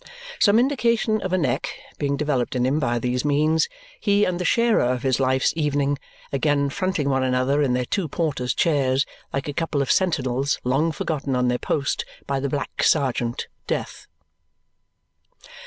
Some indication of a neck being developed in him by these means, he and the sharer of his life's evening again fronting one another in their two porter's chairs, like a couple of sentinels long forgotten on their post by the Black Serjeant, Death.